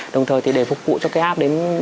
đồng thời thì để phục vụ cho cái app đến